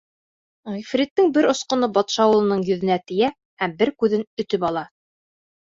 Ғифриттең бер осҡоно батша улының йөҙөнә тейә һәм бер күҙен өтөп ала.